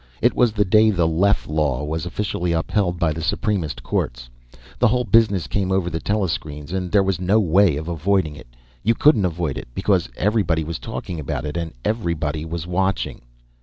It was the day the Leff Law was officially upheld by the Supremist Courts. The whole business came over the telescreens and there was no way of avoiding it you couldn't avoid it, because everybody was talking about it and everybody was watching.